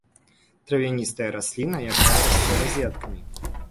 Травяністая расліна, якая расце разеткамі.